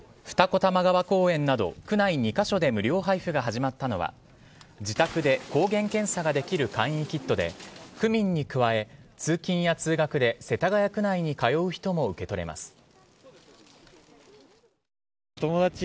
二子玉川公園など区内２カ所で無料配布が始まったのは自宅で抗原検査ができる簡易キットで区民に加え通勤や通学で世田谷区内に通う人も受け取れます。